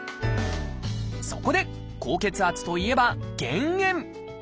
そこで高血圧といえば減塩。